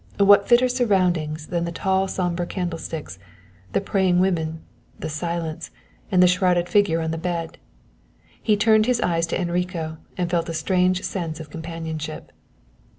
What fitter surroundings than the tall sombre candlesticks, the praying women, the silence, and the shrouded figure on the bed? He turned his eyes to Enrico and felt a strange sense of companionship.